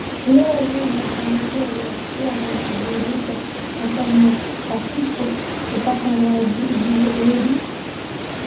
leo hii mafanikio waliyofikia wanajiuliza maswali pasipo kupata majibu Lady Jaydee anastahili umalkia wa